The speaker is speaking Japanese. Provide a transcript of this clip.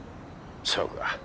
そうか。